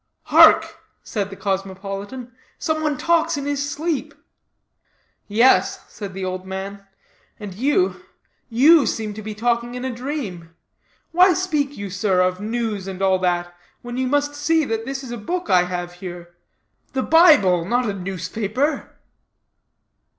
"Hark!" said the cosmopolitan. "Some one talks in his sleep." "Yes," said the old man, "and you you seem to be talking in a dream. Why speak you, sir, of news, and all that, when you must see this is a book I have here the Bible, not a newspaper?"